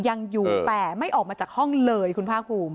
ยังอยู่แต่ไม่ออกมาจากห้องเลยคุณภาคภูมิ